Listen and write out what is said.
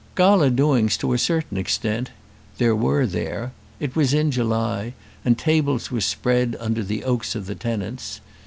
Gala doings, to a certain extent, there were there. It was in July, and tables were spread under the oaks for the tenants.